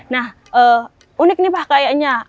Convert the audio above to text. nah unik nih pak kayaknya